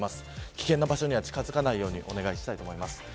危険な場所には近づかないようにお願いします。